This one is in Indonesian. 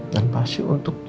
dan pasti untuk